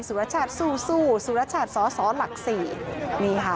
สุรชาติสู้สู้สุรชาติสอสอหลักสี่นี่ค่ะ